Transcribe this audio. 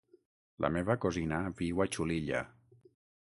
La meva cosina viu a Xulilla.